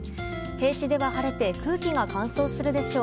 平地では晴れて空気が乾燥するでしょう。